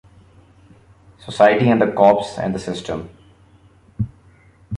Society, and the cops, and the system!